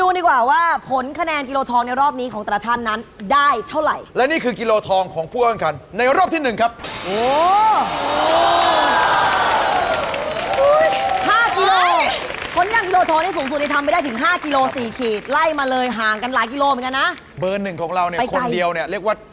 เรามาดูสรุปโกรเดนไอเทมของนัดตักแต่ละคนกันนะครับ